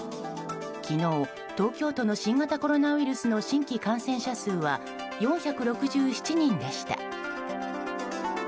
昨日、東京都の新型コロナウイルスの新規感染者数は４６７人でした。